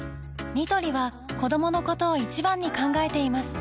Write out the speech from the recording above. ニトリは子どものことを一番に考えています